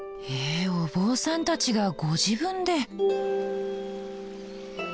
へえお坊さんたちがご自分で。